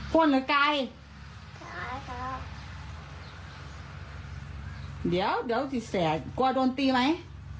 โฟนหรือไก่ไก่เดี๋ยวเดี๋ยวจะแสดกลัวโดนตีไหม